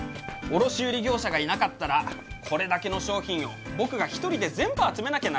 卸売業者がいなかったらこれだけの商品を僕が１人で全部集めなきゃならないからね。